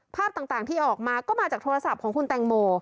ภาพต่างที่ออกมาก็มาจากโทรศัพท์ของคุณแตงโม